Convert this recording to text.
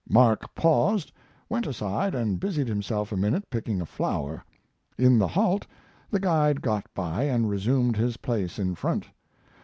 Mark paused, went aside and busied himself a minute picking a flower. In the halt the guide got by and resumed his place in front.